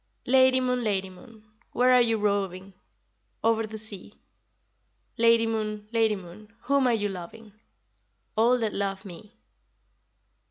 Lady Moon, Lady Moon, where are you roving? Over the sea. Lady Moon, Lady Moon, whom are you loving? All that love me.